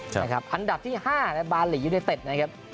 ใช่ครับอันดับที่ห้าเนี่ยบาหลียูนิเต็ดนะครับ